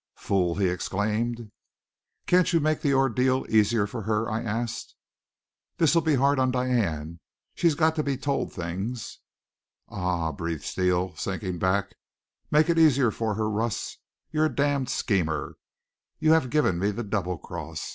"Fool!" he exclaimed. "Can't you make the ordeal easier for her?" I asked. "This'll be hard on Diane. She's got to be told things!" "Ah!" breathed Steele, sinking back. "Make it easier for her Russ, you're a damned schemer. You have given me the double cross.